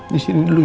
di sini dulu ya